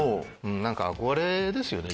何か憧れですよね